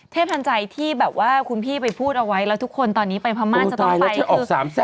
ทันใจที่แบบว่าคุณพี่ไปพูดเอาไว้แล้วทุกคนตอนนี้ไปพม่าจะต้องไป